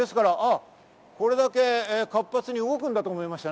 これだけ活発に動くんだと思いましたね。